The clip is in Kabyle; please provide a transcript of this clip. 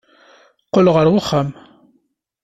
Qqel ɣer uxxam.